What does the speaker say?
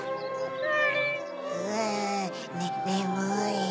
うぅねむい。